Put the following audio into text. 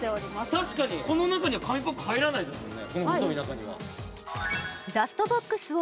確かにこの中には紙パック入らないですもんね